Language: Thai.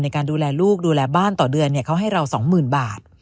ในการดูแลลูกดูแลบ้านต่อเดือนเขาให้เรา๒๐๐๐บาท